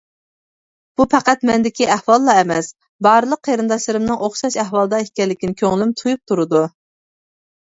بۇ پەقەت مەندىكى ئەھۋاللا ئەمەس، بارلىق قېرىنداشلىرىمنىڭ ئوخشاش ئەھۋالدا ئىكەنلىكىنى كۆڭلۈم تۇيۇپ تۇرىدۇ.